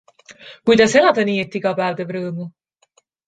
Kuidas elada nii, et iga päev teeb rõõmu?